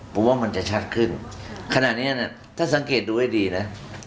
ผมว่ามันจะชัดขึ้นขณะนี้ถ้าสังเกตดูให้ดีนะ